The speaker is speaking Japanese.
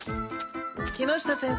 木下先生